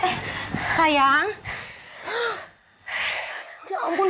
gak ada dingginya lo harap pakek puisi